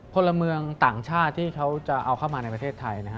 พลเมืองต่างชาติที่เขาจะเอาเข้ามาในประเทศไทยนะฮะ